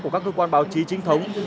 của các cơ quan báo trí trinh thống